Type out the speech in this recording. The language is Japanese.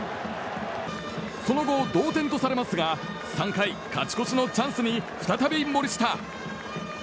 その後、同点とされますが３回勝ち越しのチャンスに再び森下。